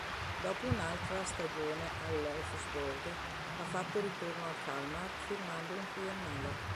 Dopo un'altra stagione all'Elfsborg, ha fatto ritorno al Kalmar firmando un triennale.